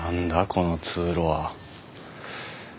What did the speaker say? この通路は。